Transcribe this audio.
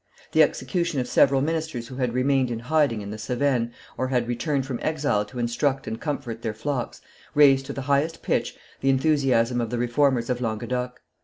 The execution of several ministers who had remained in hiding in the Cevennes, or had returned from exile to instruct and comfort their flocks, raised to the highest pitch the enthusiasm of the Reformers of Languedoc.